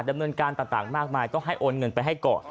ดำเนินการต่างมากมายต้องให้โอนเงินไปให้ก่อน